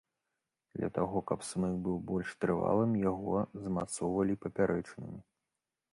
Для таго каб смык быў больш трывалым, яго змацоўвалі папярэчынамі.